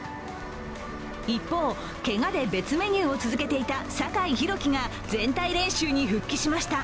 一方、けがで別メニューを続けていた酒井宏樹が全体練習に復帰しました。